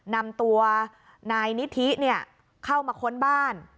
นำตัวนายนิธิเข้ามาค้นบ้าน